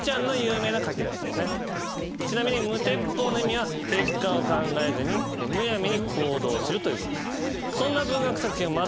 ちなみに「無鉄砲」の意味は結果を考えずにむやみに行動するということです。